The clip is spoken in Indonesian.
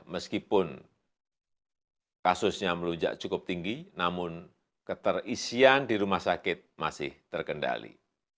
meskipun kasusnya melujak cukup tinggi namun keterisian di rumah sakit masih terkendali